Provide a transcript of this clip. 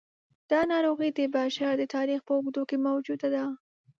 دا ناروغي د بشر د تاریخ په اوږدو کې موجوده ده.